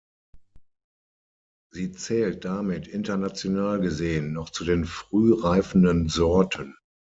Sie zählt damit international gesehen noch zu den früh reifenden Sorten.